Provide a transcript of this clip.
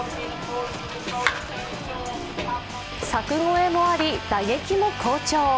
柵越えもあり、打撃も好調。